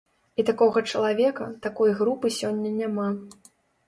І такога чалавека, такой групы сёння няма.